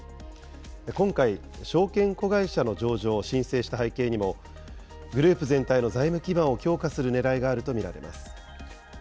今回、証券子会社の上場を申請した背景にも、グループ全体の財務基盤を強化するねらいがあると見られます。